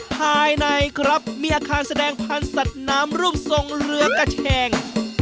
ภายในครับมีอาคารแสดงพันธุ์สัตว์น้ำรูปทรงเรือกระแชง